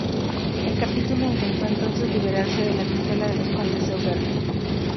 El capítulo intentó entonces liberarse de la tutela de los condes de Auvernia.